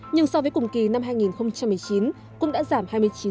nhưng so với cùng kỳ năm hai nghìn một mươi chín cũng đã giảm hai mươi chín